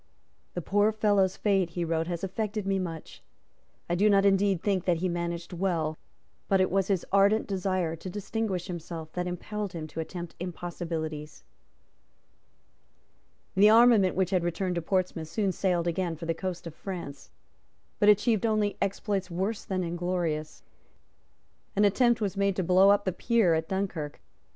"The poor fellow's fate," he wrote, "has affected me much. I do not indeed think that he managed well; but it was his ardent desire to distinguish himself that impelled him to attempt impossibilities." The armament which had returned to Portsmouth soon sailed again for the coast of France, but achieved only exploits worse than inglorious. An attempt was made to blow up the pier at Dunkirk.